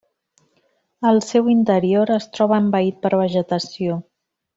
El seu interior es troba envaït per vegetació.